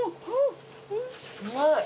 うまい。